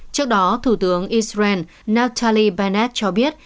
trước đó thủ tướng israel natali bennett cho biết